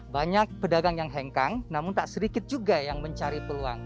banyak pedagang yang hengkang namun tak sedikit juga yang mencari peluang